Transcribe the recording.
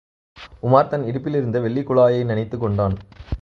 உமார் தன் இடுப்பில் இருந்த வெள்ளிக் குழாயை நினைத்துக் கொண்டான்.